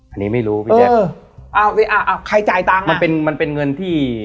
อันนี้ไม่รู้พี่แจ๊คอ่าอ่าใครจ่ายตังค์มันเป็นมันเป็นเงินที่